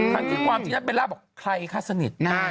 ทั้งที่ความจริงนั้นเบลล่าบอกใครคะสนิท